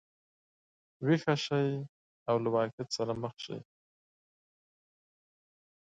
ویښه شي او له واقعیت سره مخ شي.